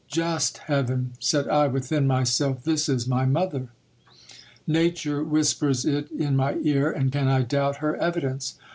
Just heaven ! said i' within myself, this is my mother ! Nature whispers it in mv ear, and can I doubt her evidence